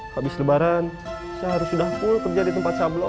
habis lebaran saya harus sudah full kerja di tempat sablon